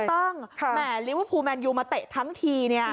ถูกต้องแหมลิวพูลแมนยูมาเตะทั้งทีเนี่ย